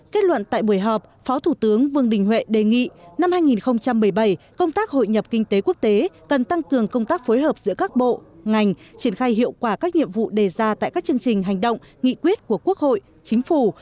kết luận tại buổi họp phó thủ tướng vương đình huệ đề nghị năm hai nghìn một mươi bảy công tác hội nhập kinh tế quốc tế cần tăng cường công tác phối hợp giữa các bộ ngành triển khai hiệu quả các nhiệm vụ đề ra tại các chương trình hành động nghị quyết của quốc hội chính phủ